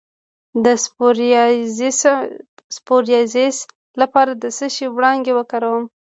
د پسوریازیس لپاره د څه شي وړانګې وکاروم؟